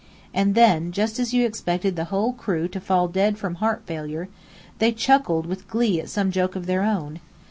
And then, just as you expected the whole crew to fall dead from heart failure, they chuckled with glee at some joke of their own.